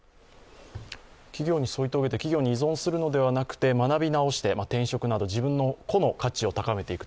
企業に依存するのではなくて学び直して転職など自分の個の価値を高めていく。